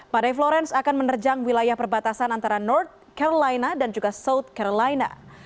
badai florence akan menerjang wilayah perbatasan antara north carolina dan juga south carolina